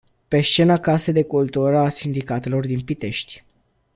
Pe scena Casei de Cultură a Sindicatelor din Pitești.